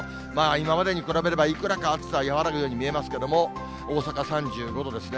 今までに比べれば、いくらか暑さは和らぐように見えますけれども、大阪３５度ですね。